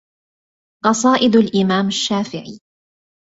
قصائد الإمام الشافعي